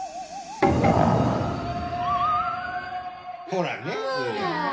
ほらね。